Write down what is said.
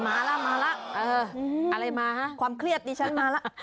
มาล่ะมาล่ะเอออะไรมาความเครียดที่ฉันมาล่ะ